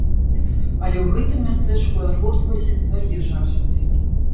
Але ў гэтым мястэчку разгортваліся свае жарсці.